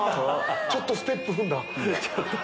ちょっとステップ踏んだ！